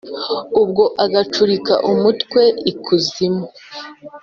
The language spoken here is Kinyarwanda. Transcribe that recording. ubwo agacurika umutwe i kuzimu